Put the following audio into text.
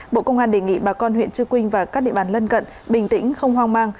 bộ công an đề nghị bà con huyện chư quynh và các địa bàn lân cận bình tĩnh không hoang mang